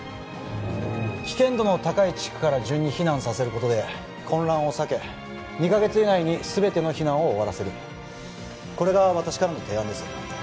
おおっ危険度の高い地区から順に避難させることで混乱を避け２カ月以内にすべての避難を終わらせるこれが私からの提案です